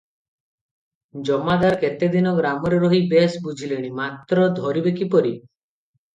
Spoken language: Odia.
ଜମାଦାର କେତେଦିନ ଗ୍ରାମରେ ରହି ବେଶ୍ ବୁଝିଲେଣି; ମାତ୍ର ଧରିବେ କିପରି?